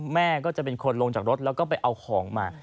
แม่ก็จะเป็นคนลงจากรถแล้วก็ไปเอาของมา